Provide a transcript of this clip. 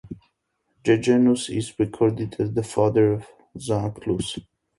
Gegenus is recorded as the father of Zanclus.